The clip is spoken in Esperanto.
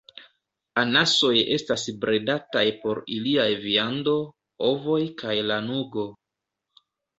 Anasoj estas bredataj por iliaj viando, ovoj, kaj lanugo.